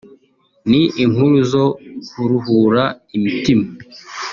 ni inkuru zo kuruhura imtima